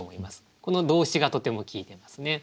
この動詞がとても効いてますね。